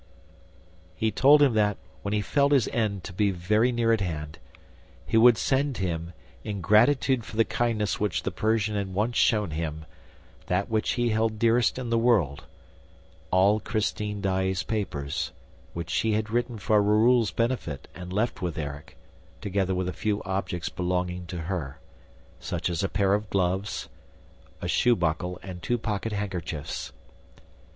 He told him that, when he felt his end to be very near at hand, he would send him, in gratitude for the kindness which the Persian had once shown him, that which he held dearest in the world: all Christine Daae's papers, which she had written for Raoul's benefit and left with Erik, together with a few objects belonging to her, such as a pair of gloves, a shoe buckle and two pocket handkerchiefs.